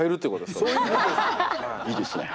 いいですね。